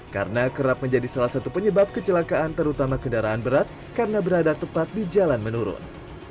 karena kerap menjadi salah satu penyebab kecelakaan terutama kendaraan berat karena berada tepat di jalan menurun